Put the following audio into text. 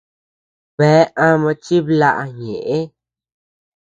Bea ama chiblaʼa ñeʼë.